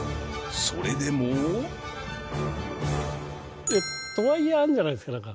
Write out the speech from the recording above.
それでもとはいえあるんじゃないですか？